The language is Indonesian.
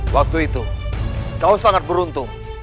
waktu itu kau sangat beruntung